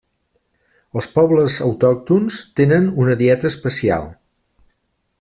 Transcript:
Els pobles autòctons tenen una dieta especial.